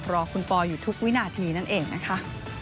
รอคุณปออยู่ทุกวินาทีนั่นเองนะคะ